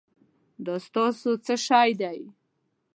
دا ستاسو څه شی دی؟